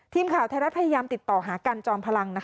ทีมข่าวไทยรัฐพยายามติดต่อหากันจอมพลัง